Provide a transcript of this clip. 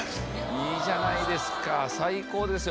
いいじゃないですか最高ですよ。